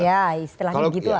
ya istilahnya begitu lah